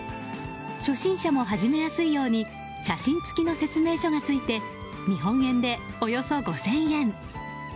初心者も始めやすいように写真付きの説明書がついて日本円で、およそ５０００円。